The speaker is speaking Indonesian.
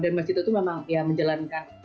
dan masjid itu memang ya menjalankan